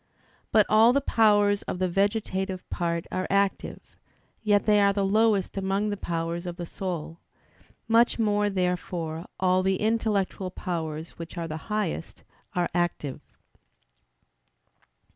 But all the powers of the vegetative part are active; yet they are the lowest among the powers of the soul. Much more, therefore, all the intellectual powers, which are the highest, are active.